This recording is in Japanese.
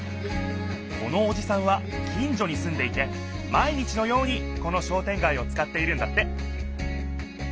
このおじさんは近所にすんでいて毎日のようにこの商店街をつかっているんだって